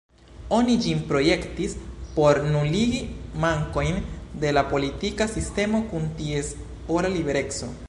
Oni ĝin projektis por nuligi mankojn de la politika sistemo kun ties ora libereco.